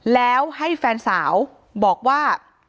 แล้วให้แฟนสาวบอกว่า